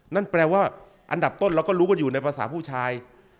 นั่นแปลว่าอันดับต้นเราก็รู้กันอยู่ในภาษาผู้ชาย